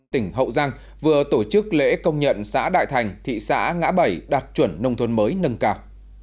tỉnh hậu giang vừa tổ chức lễ công nhận xã đại thành thị xã ngã bảy đạt chuẩn nông thôn mới nâng cao